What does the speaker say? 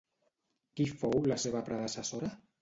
Qui fou la seva predecessora?